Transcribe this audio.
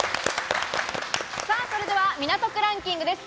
それでは港区ランキングです。